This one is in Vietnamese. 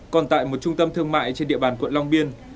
còn tại một trung tâm thương mại trên địa bàn quận long biên